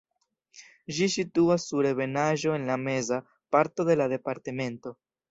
Ĝi situas sur ebenaĵo en la meza parto de la departemento.